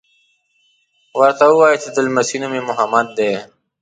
ورته ووایي چې د لمسي نوم یې محمد دی.